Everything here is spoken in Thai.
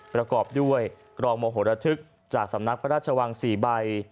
ประกอบด้วยกรองโมโหระทึกจากสำนักพระราชวัง๔ใบ